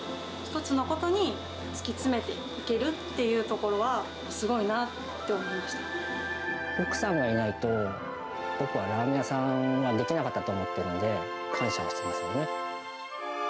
１つのことに突き詰めていけるっていうところはすごいなって思い奥さんがいないと、僕はラーメン屋さんはできなかったと思ってるんで、感謝してます